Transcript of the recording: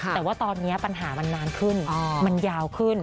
แต่ว่าตอนนี้ปัญหามันนานขึ้นมันยาวขึ้น